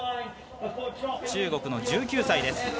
中国の１９歳です。